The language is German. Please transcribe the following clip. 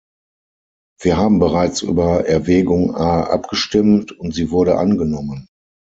Wir haben bereits über Erwägung A abgestimmt, und sie wurde angenommen.